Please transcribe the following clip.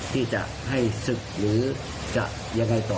ที่จะให้ศึกหรือจะยังไงต่อ